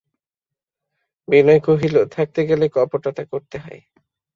বিনয় কহিল, থাকতে গেলে কপটতা করতে হয়।